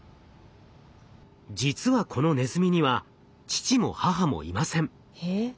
実はこのネズミには父も母もいません。